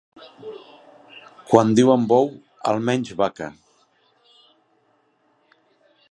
Quan diuen bou, almenys, vaca.